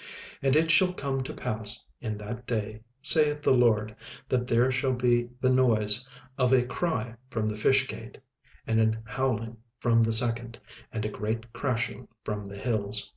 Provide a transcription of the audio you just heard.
36:001:010 And it shall come to pass in that day, saith the LORD, that there shall be the noise of a cry from the fish gate, and an howling from the second, and a great crashing from the hills.